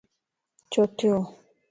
ڇو ٿيو؟